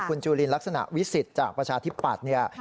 คุณจุลินลักษณะวิสิทธิ์จากประชาธิปัตย์เนี่ย